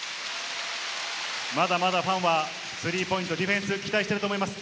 まだまだファンはスリーポイント、ディフェンス、期待していると思います。